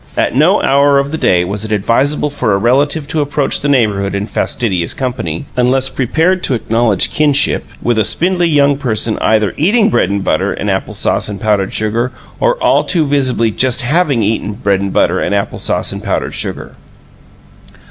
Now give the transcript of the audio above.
At no hour of the day was it advisable for a relative to approach the neighborhood in fastidious company, unless prepared to acknowledge kinship with a spindly young person either eating bread and butter and apple sauce and powdered sugar, or all too visibly just having eaten bread and butter and apple sauce and powdered sugar.